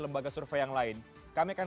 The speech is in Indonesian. lembaga survei yang lain kami akan